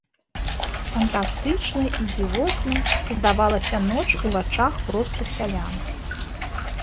Фантастычнай і дзівоснай здавалася ноч у вачах простых сялян.